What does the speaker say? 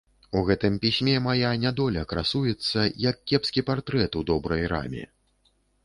У гэтым пісьме мая нядоля красуецца, як кепскі партрэт у добрай раме.